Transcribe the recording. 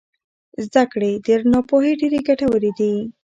زده کړې تر ناپوهۍ ډېرې ګټورې دي.